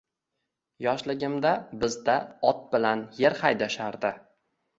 Yoshligimda bizda ot bilan er haydashardi